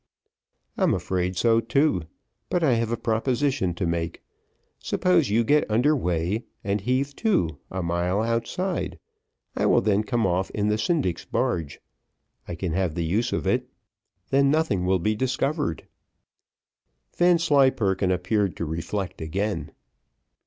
"I'm afraid so too, but I have a proposition to make. Suppose you get under way, and heave to a mile outside, I will then come off in the syndic's barge. I can have the use of it. Then nothing will be discovered." Vanslyperken appeared to reflect again.